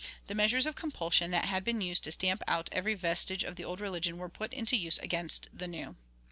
The measures of compulsion that had been used to stamp out every vestige of the old religion were put into use against the new.